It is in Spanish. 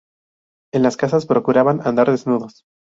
En las casas procuraban andar desnudos.